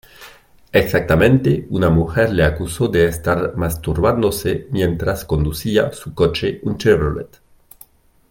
Exactamente, una mujer le acusó de estar masturbándose mientras conducía su coche, un Chevrolet.